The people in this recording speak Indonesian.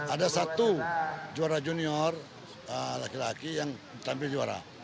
ada satu juara junior laki laki yang tampil juara